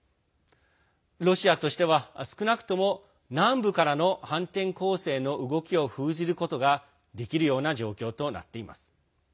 ロシアとしては、少なくとも南部からの反転攻勢の動きを封じることができるような状況となっています。